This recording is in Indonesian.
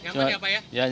yaman ya pak ya